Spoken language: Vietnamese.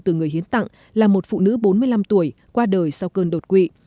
từ người hiến tặng là một phụ nữ bốn mươi năm tuổi qua đời sau cơn đột quỵ